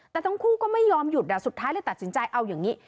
แต่ทั้งคู่ก็ไม่ยอมหยุดสุดท้ายเลยตัดสินใจเอาอย่างนี้